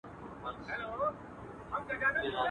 تر خپل ځان پسته لكۍ يې كړله لاندي.